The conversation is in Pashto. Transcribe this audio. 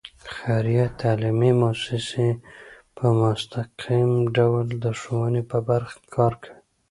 خیریه تعلیمي مؤسسې په مستقل ډول د ښوونې په برخه کې کار کوي.